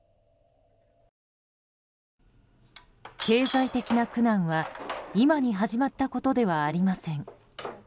経済的な苦難は今に始まったことではありません。